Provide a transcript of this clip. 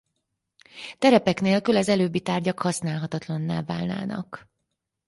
Terepek nélkül az előbbi tárgyak használhatatlanná válnának.